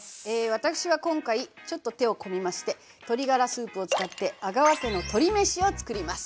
私は今回ちょっと手を込めまして鶏ガラスープを使って「阿川家の鶏めし」を作ります。